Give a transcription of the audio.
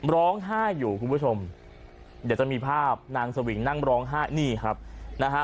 ร้องไห้อยู่คุณผู้ชมเดี๋ยวจะมีภาพนางสวิงนั่งร้องไห้นี่ครับนะฮะ